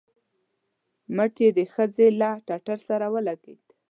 مټ يې د ښځې له ټټر سره ولګېد.